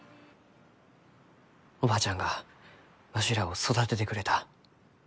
おばあちゃんがわしらを育ててくれた。